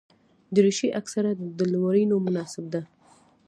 دریشي اکثره د لورینو مناسبو ده.